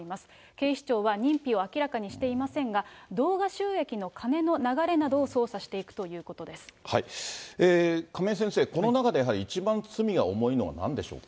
警視庁は認否を明らかにしていませんが、動画収益の金の流れなど亀井先生、この中で、一番罪が重いのはなんでしょうか。